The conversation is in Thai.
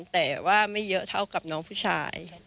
แต่ว่าไม่เยอะเท่ากับน้องผู้ชาย